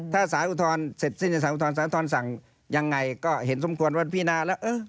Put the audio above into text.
ถ้าสารอุทธรณ์เสร็จสิ้นในสารอุทธรณสารทรสั่งยังไงก็เห็นสมควรว่าพินาแล้ว